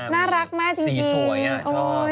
น่ารักมากจริง